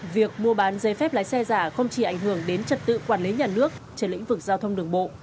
việc mua bán giấy phép lái xe giả không chỉ ảnh hưởng đến trật tự quản lý nhà nước trên lĩnh vực giao thông đường bộ